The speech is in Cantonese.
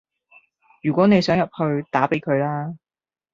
如果你想入去，打畀佢啦